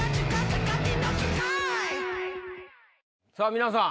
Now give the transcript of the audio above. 皆さん